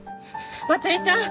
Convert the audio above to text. まつりちゃん！？